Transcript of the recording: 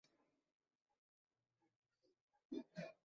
তুমি তার সাথে কথা বলার জন্য এত ছটফট করছ কেন?